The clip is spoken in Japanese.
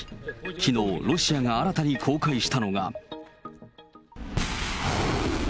きのう、ロシアが新たに公開したのが。